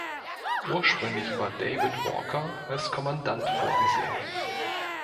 Ursprünglich war David Walker als Kommandant vorgesehen.